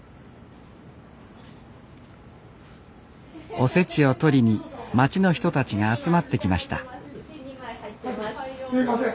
おせちを取りに町の人たちが集まってきましたすみません。